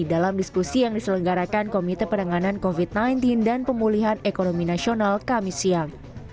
dalam diskusi yang diselenggarakan komite penanganan covid sembilan belas dan pemulihan ekonomi nasional kami siang